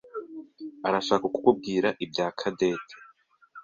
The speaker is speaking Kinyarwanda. arashaka kukubwira ibya Cadette.